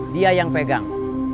dia yang pegang